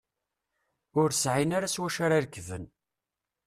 Ur sεin ara s wacu ara rekben.